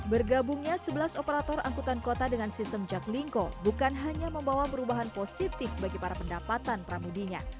bergabungnya sebelas operator angkutan kota dengan sistem jaklingko bukan hanya membawa perubahan positif bagi para pendapatan pramudinya